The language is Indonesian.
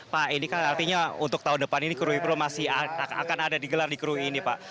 pak ini kan artinya untuk tahun depan ini krui kru masih akan ada digelar di krui ini pak